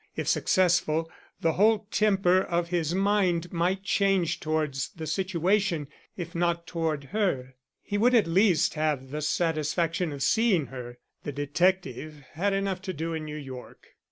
If successful, the whole temper of his mind might change towards the situation, if not toward her. He would at least have the satisfaction of seeing her. The detective had enough to do in New York.